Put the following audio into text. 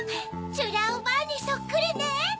ちゅらおばあにそっくりね。